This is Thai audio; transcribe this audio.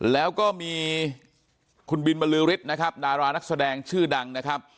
แล้วก็มีคุณบินบรือฤทธิ์นะครับดารานักแสดงชื่อดังนะครับ